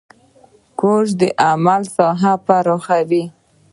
کورس د عمل ساحه پراخوي.